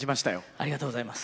ありがとうございます。